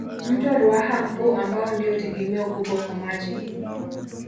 Mto Ruaha mkuu ambao ndio tegemeo kubwa kwa maji